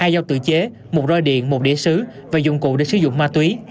hai dao tự chế một rơi điện một đĩa sứ và dụng cụ để sử dụng ma túy